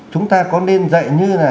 chúng ta có nên dạy như là